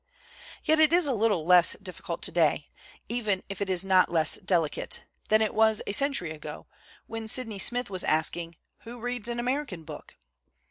Yet it is a little less difficult today even if it is not less delicate than it was a century ago, when Sydney Smith was asking "Who reads an Amer ican book?"